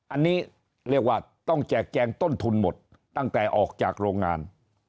อันนี้เรียกว่าต้องแจกแจงต้นทุนหมดตั้งแต่ออกจากโรงงาน